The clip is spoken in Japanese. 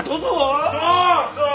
そうそう！